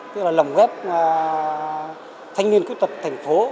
tức là lồng ghép thanh niên khuyết tật thành phố